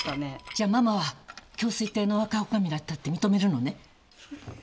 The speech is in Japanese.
じゃママは京粋亭の若女将だったって認めるのね？